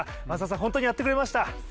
松田さん、本当にやってくれました